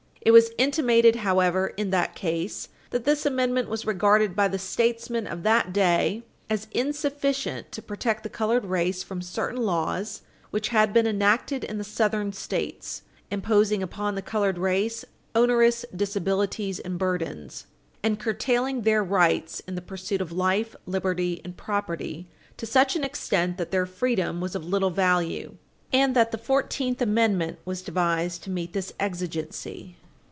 It was intimated, however, in that case that this amendment was regarded by the statesmen of that day as insufficient to protect the colored race from certain laws which had been enacted in the Southern States, imposing upon the colored race onerous disabilities and burdens and curtailing their rights in the pursuit of life, liberty and property to such an extent that their freedom was of little value; and that the Fourteenth Amendment was devised to meet this exigency.